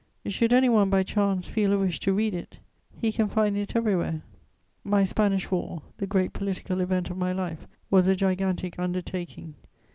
Should any one, by chance, feel a wish to read it, he can find it everywhere. My Spanish War, the great political event of my life, was a gigantic undertaking.